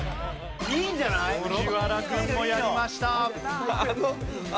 藤原くんもやりました。